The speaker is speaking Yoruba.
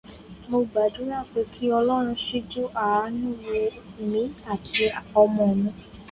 Mo gbàdúrà pé kí Ọlọ́run síjú àànú wò mí àti ọmọ mi